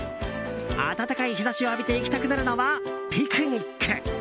温かい日差しを浴びて行きたくなるのは、ピクニック！